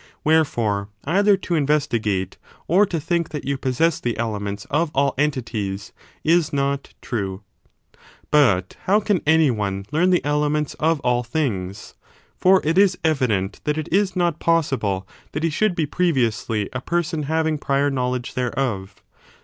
Wherefore, either to investi gate or to think that you possess the elements of all entities is not true. 2. Plato's But how can any one learn the elements of all M^7to?"* things? for it is evident that it is not possible principiesofthe that he should be previously a person having J^SSS'i^t prior knowledge thereof.